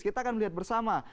kita akan melihat bersama